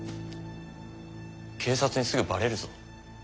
警察にすぐバレるぞ。